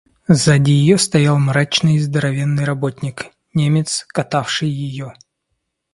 Сзади её стоял мрачный здоровенный работник Немец, катавший её.